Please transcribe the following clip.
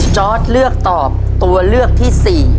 จอร์ดเลือกตอบตัวเลือกที่๔